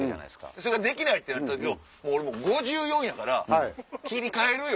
それができないってなったけどもう俺５４やから切り替えるよ。